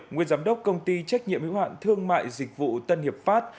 nguyên giám đốc công ty trách nhiệm hiếu hạn thương mại dịch vụ tân hiệp pháp